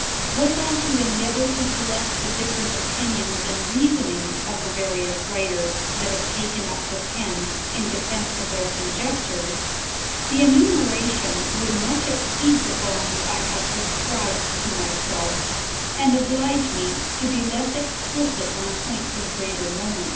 Was I to endeavor to collect the differ ent opinions and 'reasonings of the various writers that have taken up the pen in defence of their conjectures, the enumer ation would much exceed the bonds I have prescribed to my self, and oblige me to be less explicit on points of greater moment.